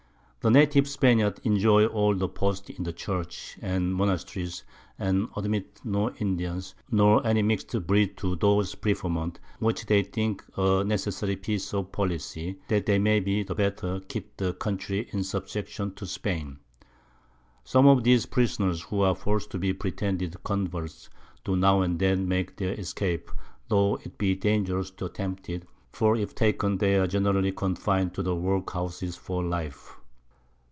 The native Spaniards enjoy all the Posts in the Church and Monasteries, and admit no Indians, nor any mix'd Breed, to those Preferments; which they think a necessary Piece of Policy, that they may the better keep the Country in Subjection to Spain. Some of these Prisoners who are forced to be pretended Converts, do now and then make their Escape, tho' it be dangerous to attempt it, for if taken they are generally confin'd to the Workhouses for Life.